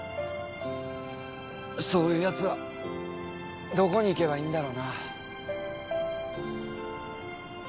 そういうやつはどこに行けばいいんだろうな？